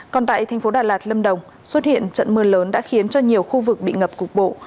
còn tại thành phố đà lạt lâm đồng xuất hiện trận mưa lớn đã khiến cho nhiều khu vực bị ngập cục bộ